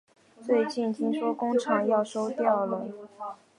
最近听说工厂要收掉了